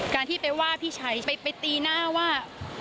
การที่ไปว่าพี่ชัยไปตีหน้าว่า